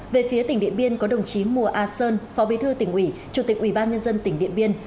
về phía tỉnh điện biên có đồng chí mùa a sơn phó bí thư tỉnh ủy chủ tịch ủy ban nhân dân tỉnh điện biên